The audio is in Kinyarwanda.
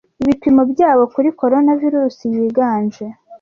ibipimo Byabo kuri corona virusi yiganje